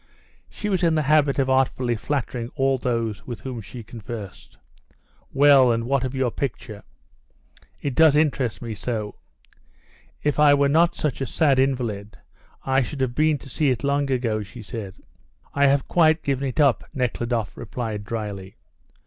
She was in the habit of artfully flattering all those with whom she conversed. "Well, and what of your picture? It does interest me so. If I were not such a sad invalid I should have been to see it long ago," she said. "I have quite given it up," Nekhludoff replied drily.